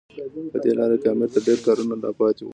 په دې لاره کې امیر ته ډېر کارونه لا پاتې وو.